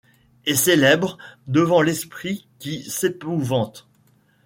Et célèbrent, devant l’esprit qui s’épouvante